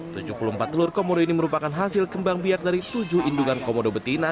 tujuh puluh empat telur komodo ini merupakan hasil kembang biak dari tujuh indungan komodo betina